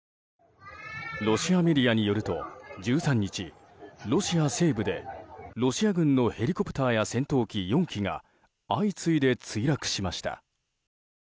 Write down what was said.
ロシアメディアによると１３日ロシア西部でロシア軍のヘリコプターや戦闘機４機が相次いで墜落しました。